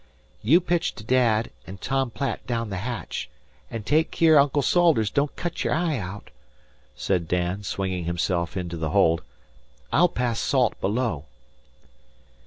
"You pitch to dad an' Tom Platt down the hatch, an' take keer Uncle Salters don't cut yer eye out," said Dan, swinging himself into the hold. "I'll pass salt below."